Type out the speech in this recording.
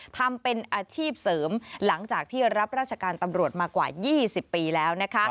ทำเป็นอาชีพเสริมหลังจากที่รับราชการตำรวจมากว่า๒๐ปีแล้วนะคะ